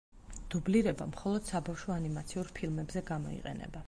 დუბლირება მხოლოდ საბავშვო ანიმაციურ ფილმებზე გამოიყენება.